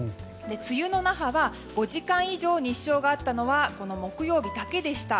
梅雨の那覇は５時間以上日照があったのは木曜日だけでした。